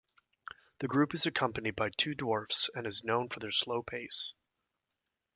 The group is accompanied by two dwarfs and is known for their slow pace.